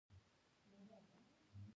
حال دا چې مستقر دیکتاتور راپرځول شوی وي.